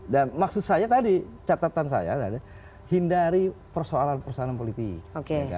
dan maksud saya tadi catatan saya tadi hindari persoalan persoalan politik